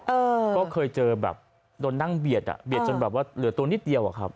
เออก็เคยเจอแบบโดนนั่งเบียดอ่ะเบียดจนแบบว่าเหลือตัวนิดเดียวอะครับ